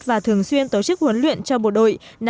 và thường xuyên tổ chức huấn luyện cho bộ đội